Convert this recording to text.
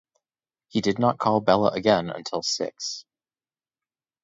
He did not call Bella again until six.